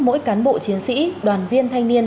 mỗi cán bộ chiến sĩ đoàn viên thanh niên